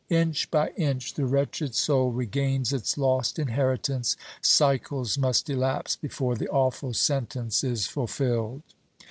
Inch by inch the wretched soul regains its lost inheritance; cycles must elapse before the awful sentence is fulfilled.